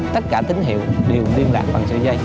tất cả tín hiệu đều liên lạc bằng sợi dây